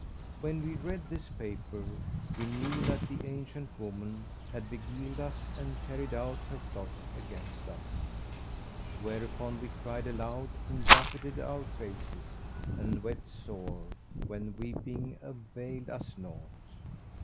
When we read this paper, we knew that the ancient woman had beguiled us and carried out her plot against us: whereupon we cried aloud and buffeted our faces and wept sore when weeping availed us naught.